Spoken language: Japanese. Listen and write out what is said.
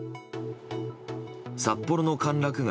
札幌の歓楽街